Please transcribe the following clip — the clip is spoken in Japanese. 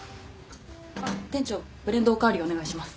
あっ店長ブレンドお代わりお願いします。